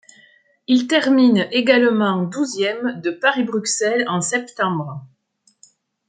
Il termine également douzième de Paris-Bruxelles en septembre.